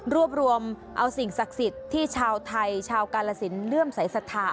รวบรวมเอาสิ่งศักดิ์สิทธิ์ที่ชาวไทยชาวกาลสินเลื่อมสายศรัทธา